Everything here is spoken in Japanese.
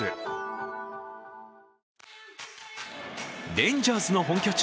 レンジャーズの本拠地